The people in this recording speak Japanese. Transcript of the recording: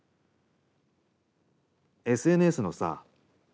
ＳＮＳのさ